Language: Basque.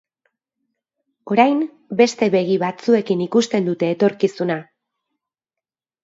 Orain beste begi batzuekin ikusten dute etorkizuna.